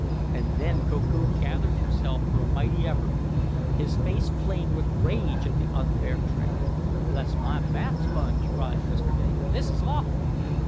And then Koku gathered himself for a mighty effort. His face flamed with rage at the unfair trick. "Bless my bath sponge!" cried Mr. Damon. "This is awful!"